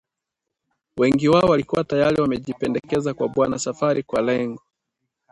Wengi wao walikuwa tayari wamejipendekeza kwa Bwana Safari kwa lengo